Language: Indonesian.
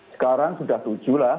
sekarang sudah tujuh lah